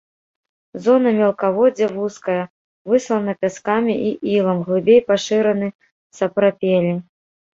Зона мелкаводдзя вузкая, выслана пяскамі і ілам, глыбей пашыраны сапрапелі.